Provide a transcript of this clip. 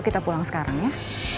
kita pulang sekarang ya